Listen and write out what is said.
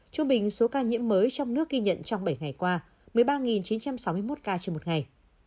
trung bình số ca nhiễm mới trong nước ghi nhận trong bảy ngày qua một mươi ba chín trăm sáu mươi một ca trên một ngày